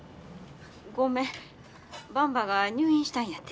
ばんばが入院したんやて。